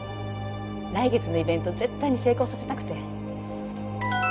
来月のイベント絶対に成功させたくて。